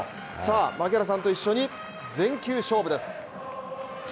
槙原さんと一緒に全球勝負です。